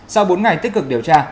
sau bốn ngày tích cực điều tra